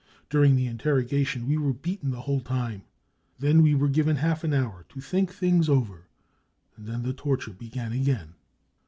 During the interrogation we were beaten the whole time. Then we were* given half an hour to think things over, and then the torture began again.